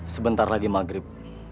sebentar lagi maghrib